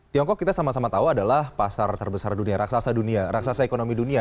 tiongkok kita sama sama tahu adalah pasar terbesar dunia raksasa dunia raksasa ekonomi dunia